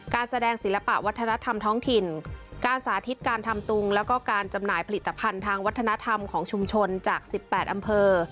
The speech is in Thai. การแสดงศิลปะวัฒนธรรมท้องถิ่นการสาธิตการทำตุงแล้วก็การจำหน่ายผลิตภัณฑ์ทางวัฒนธรรมของชุมชนจาก๑๘อำเภอ